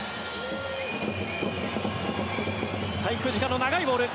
滞空時間の長いボール。